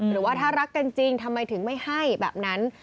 หรือว่าถ้ารักกันจริงทำไมถึงไม่ให้แบบนั้น